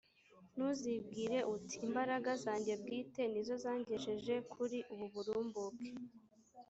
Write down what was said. ntuzibwire uti «imbaraga zanjye bwite ni zo zangejeje kuri ubu burumbuke»,